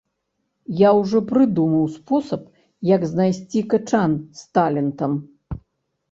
Я ўжо прыдумаў спосаб, як знайсці качан з талентам.